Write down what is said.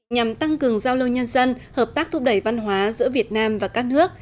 nhằm tăng cường giao lưu nhân dân hợp tác thúc đẩy văn hóa giữa việt nam và các nước